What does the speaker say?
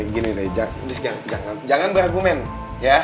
gini deh jangan berargumen ya